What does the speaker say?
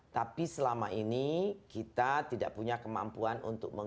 tapi selama ini kita tidak punya kemampuan untuk mengembangkan